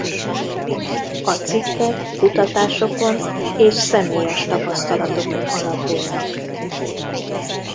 A cikkek kutatásokon és személyes tapasztalatokon alapulnak.